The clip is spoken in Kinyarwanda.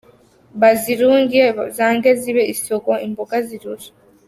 Bazirunge zange zibe isogo imboga zirura.